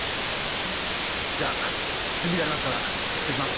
じゃあ準備がありますから失礼します。